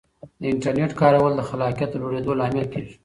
د انټرنیټ کارول د خلاقیت د لوړېدو لامل کیږي.